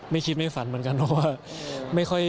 ไม่คิดไม่ฝันเหมือนกันเพราะว่า